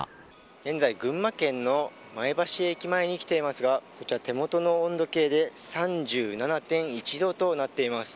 現在、群馬県の前橋駅前に来ていますが今、手元の温度計で３７．１度となっています。